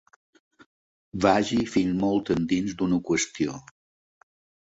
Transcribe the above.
Vagi fins molt endins d'una qüestió.